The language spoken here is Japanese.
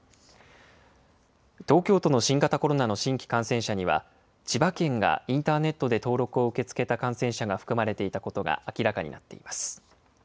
東京都の新型コロナの新規感染者には、千葉県がインターネットで登録を受け付けた感染者が含まれていたことが明らかになっています。